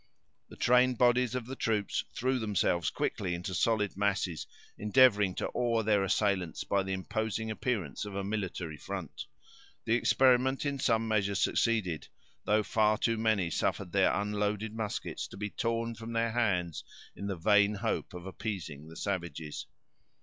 The trained bodies of the troops threw themselves quickly into solid masses, endeavoring to awe their assailants by the imposing appearance of a military front. The experiment in some measure succeeded, though far too many suffered their unloaded muskets to be torn from their hands, in the vain hope of appeasing the savages.